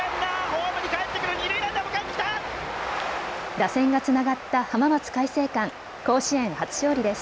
打線がつながった浜松開誠館、甲子園初勝利です。